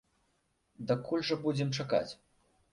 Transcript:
Дакуль жа будзем чакаць?